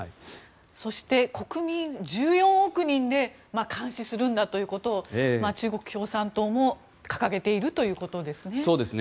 そして、国民１４億人で監視するんだということを中国共産党も掲げているということですね。